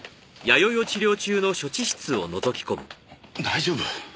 大丈夫？